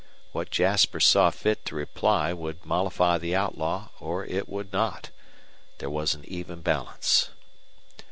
What Jasper saw fit to reply would mollify the outlaw or it would not. There was an even balance.